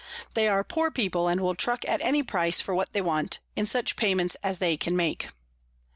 They are poor People, and will truck at any Price for what they want, in such Payments as they can make.